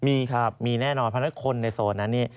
มีครับมีแน่นอนเพราะฉะนั้นคนในโซนนั้นนี่